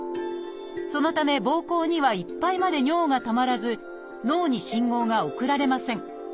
そのためぼうこうにはいっぱいまで尿がたまらず脳に信号が送られません。